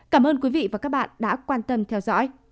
cảm ơn quý vị và các bạn đã quan tâm theo dõi